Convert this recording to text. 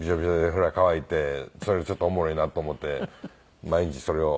それが乾いてそれちょっとおもろいなと思って毎日それを。